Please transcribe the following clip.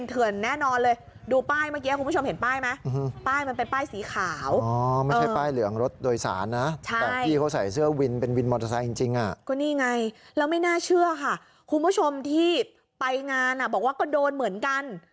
เท่ากับเรียกว่าฉวยโอกาสจริงนะคุณนะ